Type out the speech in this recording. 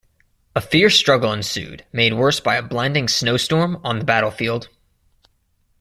A fierce struggle ensued, made worse by a blinding snowstorm on the battlefield.